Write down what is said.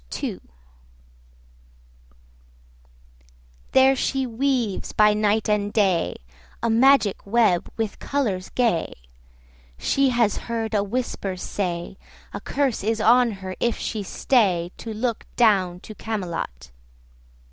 PART IIThere she weaves by night and day A magic web with colours gay. She has heard a whisper say, A curse is on her if she stay 40 To look down to Camelot.